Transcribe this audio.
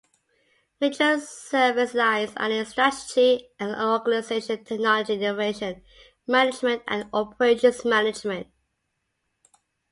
Major service lines are in Strategy and Organization, Technology Innovation Management, and Operations Management.